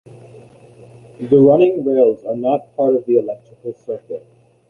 The running rails are not part of the electrical circuit.